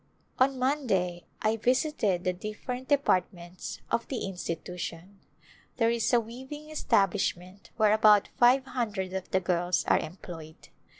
On Monday I visited the different departments of the institution. There is a weaving establishment where about five hundred of the girls are employed.